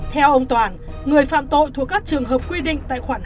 theo ông toàn người phạm tội thuộc các trường hợp quy định tại khoảng hai bốn mươi